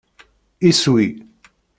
Iswi!